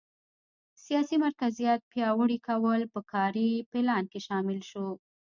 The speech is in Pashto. سیاسي مرکزیت پیاوړي کول په کاري پلان کې شامل شو.